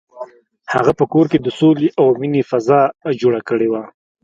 هغه په کور کې د سولې او مینې فضا جوړه کړې وه.